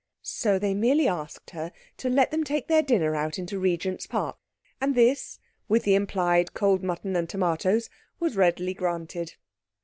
So they merely asked her to let them take their dinner out into Regent's Park—and this, with the implied cold mutton and tomatoes, was readily granted.